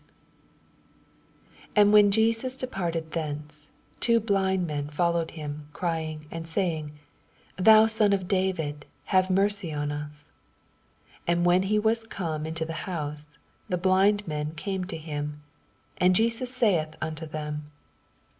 27 And when Jeans departed thenoe, two blind men followed him, crying, and saying, Thou Son of David, have mercy on us. 28 And when he was come into the honse. the blind men came to him: and JesQS saith nnto them.